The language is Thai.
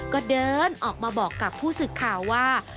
ก็เดินออกมาบอกกับผู้สื่อข่าวว่า